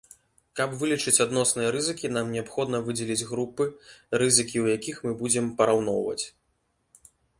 Каб вылічыць адносныя рызыкі нам неабходна выдзеліць групы, рызыкі ў якіх мы будзем параўноўваць.